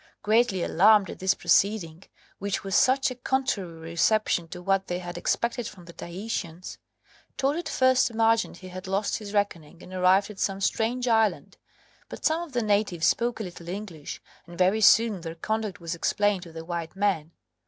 Greatly alarmed at this proceeding which was such a contrary reception to what they had expected from the Tahitians Todd at first imagined he had lost his reckoning and arrived at some strange island But some of the natives spoke a little English, and very soon their conduct was explained to the white men.